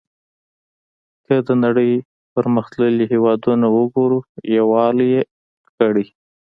که د نړۍ پرمختللي هېوادونه وګورو یووالی یې کړی.